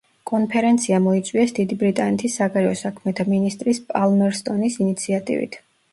კონფერენცია მოიწვიეს დიდი ბრიტანეთის საგარეო საქმეთა მინისტრის პალმერსტონის ინიციატივით.